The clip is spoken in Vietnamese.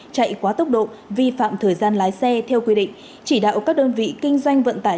chạy quá tốc độ vi phạm thời gian lái xe theo quy định chỉ đạo các đơn vị kinh doanh vận tải